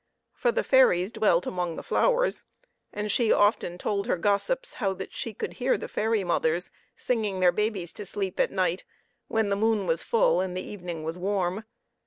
For the fairies dwelt among the flowers, and she often told her gossips how that she could hear the fairy mothers singing their babies to sleep at night, when the moon was full and the evening was warm.